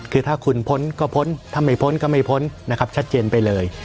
คือถ้าคุณพ้นก็พ้นถ้าไม่พ้นก็ไม่พ้นนะครับชัดเจนไปเลย